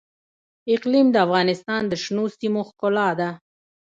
اقلیم د افغانستان د شنو سیمو ښکلا ده.